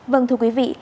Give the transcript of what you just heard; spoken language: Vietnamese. vâng thưa quý vị